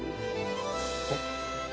えっ？